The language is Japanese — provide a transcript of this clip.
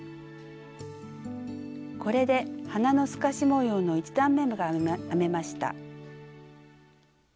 これで花の透かし模様の１段めが編めました。